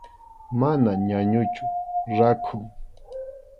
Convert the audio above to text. Mana ñañuchu, rakhun.